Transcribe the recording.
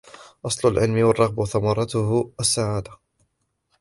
أَصْلُ الْعِلْمِ الرَّغْبَةُ وَثَمَرَتُهُ السَّعَادَةُ